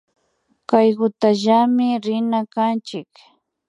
Kaykutallami rina kanchik